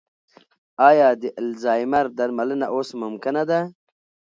ایا د الزایمر درملنه اوس ممکنه ده؟